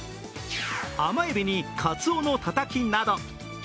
甘えびに、かつおのたたきなど。